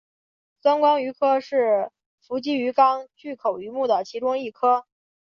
钻光鱼科是辐鳍鱼纲巨口鱼目的其中一科。